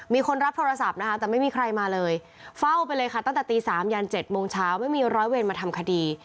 มีคนรับโทรศัพท์นะคะแต่ไม่มีใครมาเลยเฝ้าไปเลยค่ะตั้งแต่ตี๓ยัน๗โมงเช้าไม่มีร้อยเวรมาทำคดี